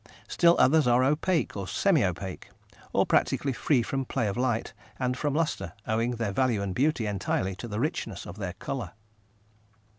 Still others are opaque, or semi opaque, or practically free from play of light and from lustre, owing their value and beauty entirely to their richness of colour.